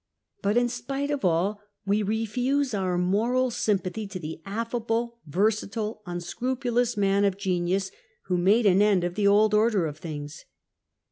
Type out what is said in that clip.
But in spite of all, we refuse our moral sympathy to the affable, versatile, unscrupulous man of genius who made an end of the old order of things.